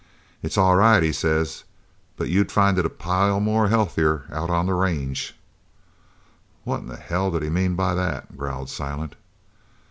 'It's all right,' he says, 'but you'd find it a pile more healthier out on the range.'" "What in hell did he mean by that?" growled Silent.